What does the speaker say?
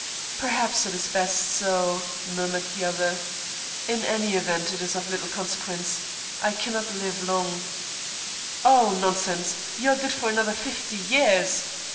"Perhaps it is best so," murmured the other. "In any event, it is of little consequence. I cannot live long." "Oh, nonsense. You are good for another fifty years.